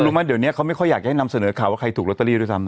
รู้ไหมเดี๋ยวนี้เขาไม่ค่อยอยากจะให้นำเสนอข่าวว่าใครถูกลอตเตอรี่ด้วยซ้ำนะ